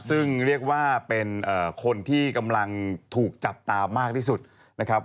ซึ่งเรียกว่าเป็นคนที่กำลังถูกจับตามากที่สุดนะครับ